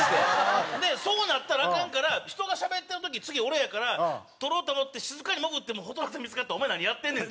でそうなったらアカンから人がしゃべってる時次俺やから取ろうと思って静かに潜っても蛍原さんに見付かって「お前何やってんねん」って。